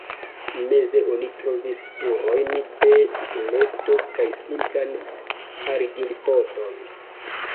Meze oni trovis spurojn de skeleto kaj simplan argilpoton.